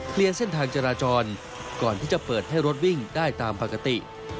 เส้นทางจราจรก่อนที่จะเปิดให้รถวิ่งได้ตามปกติ